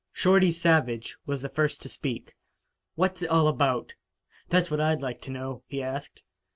Shorty Savage was the first to speak. "What's it all about? That's what I'd like to know," he asked.